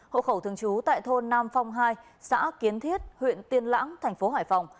hộ khẩu thường trú tại thôn nam phong hai xã kiến thiết huyện tiên lãng thành phố hải phòng